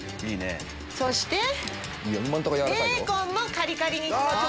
そしてベーコンもカリカリにします。